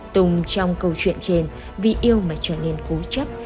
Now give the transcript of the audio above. tùng trong câu chuyện trên vì yêu mà trở nên cố chấp